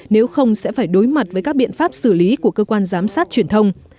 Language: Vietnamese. nếu không sẽ phải đối mặt với các biện pháp xử lý của cơ quan giám sát truyền thông